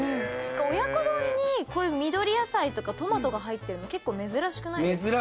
親子丼にこういう緑野菜とかトマトが入ってるの結構珍しくないですか？